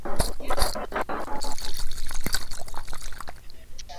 nchi zilizoendelea haziwezi kushitaki kwenye mahakama hiyo